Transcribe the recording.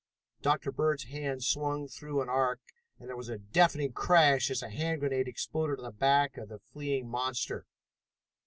Dr. Bird's hand swung through an arc, and there was a deafening crash as a hand grenade exploded on the back of the fleeing monster.